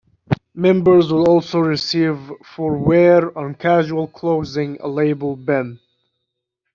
Members will also receive for wear on casual clothing a lapel pin.